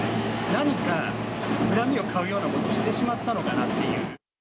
何か恨みを買うようなことをしてしまったのかなっていう。